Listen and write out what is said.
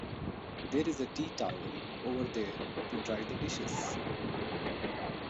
There is a tea towel over there to dry the dishes